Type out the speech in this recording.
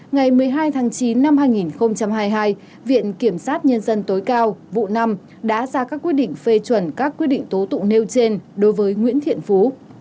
ngày một mươi hai tháng chín năm hai nghìn hai mươi hai viện kiểm sát nhân dân tối cao vụ năm đã ra các quyết định phê chuẩn các quyết định tố tụng nêu trên đối với nguyễn thiện phú